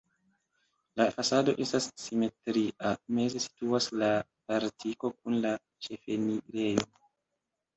La fasado estas simetria, meze situas la portiko kun la ĉefenirejo.